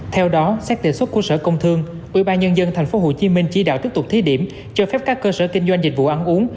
theo đó xét tề xuất khu sở công thương ủy ban nhân dân tp hcm chỉ đạo tiếp tục thế điểm cho phép các cơ sở kinh doanh dịch vụ ăn uống